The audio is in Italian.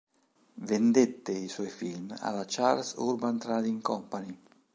Vendette i suoi film alla Charles Urban Trading Co.